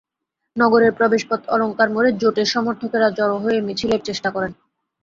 নগরের প্রবেশপথ অলংকার মোড়ে জোটের সমর্থকেরা জড়ো হয়ে মিছিলের চেষ্টা করেন।